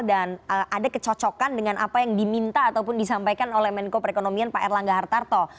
dan ada kecocokan dengan apa yang diminta ataupun disampaikan oleh menko perekonomian pak erlangga hartarto